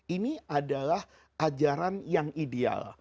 ini adalah ajaran yang ideal